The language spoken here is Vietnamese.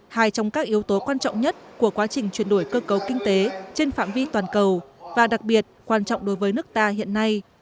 hai trong các yếu tố quan trọng nhất của quá trình chuyển đổi cơ cấu kinh tế trên phạm vi toàn cầu và đặc biệt quan trọng đối với nước ta hiện nay